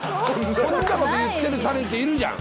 そんなこと言ってるタレントいるじゃん。